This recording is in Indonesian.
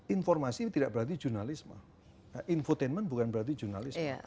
informasi tidak berarti jurnalisme infotainment bukan berarti jurnalisme